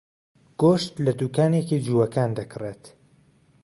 گۆشت لە دوکانێکی جووەکان دەکڕێت.